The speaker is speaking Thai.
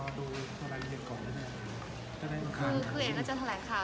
กับเรื่องที่มัธิมันออกมาตอนวันนี้แล้ว